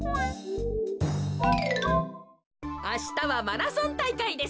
あしたはマラソンたいかいです。